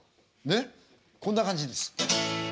ねっこんな感じです。